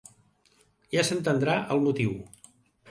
Ja s'entendrà el motiu.